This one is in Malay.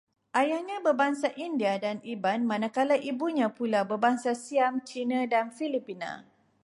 Ayahnya berbangsa India dan Iban, manakala ibunya pula berbangsa Siam, Cina dan Filipina